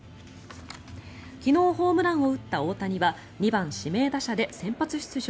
昨日、ホームランを打った大谷は２番指名打者で先発出場。